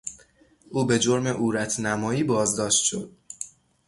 او به جرم عورت نمایی بازداشت شد.